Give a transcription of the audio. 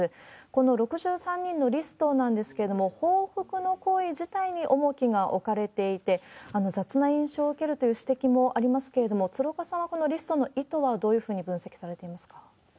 この６３人のリストなんですけれども、報復の行為自体に重きが置かれていて、雑な印象を受けるという指摘もありますけれども、鶴岡さんはこのリストの意図はどういうふうに分析されていますか？